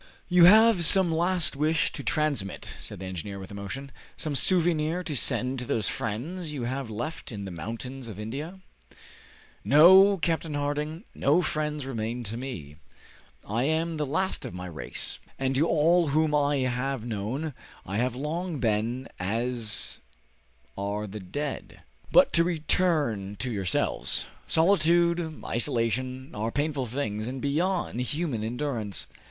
"You have some last wish to transmit," said the engineer with emotion, "some souvenir to send to those friends you have left in the mountains of India?" "No, Captain Harding; no friends remain to me! I am the last of my race, and to all whom I have known I have long been as are the dead. But to return to yourselves. Solitude, isolation, are painful things, and beyond human endurance.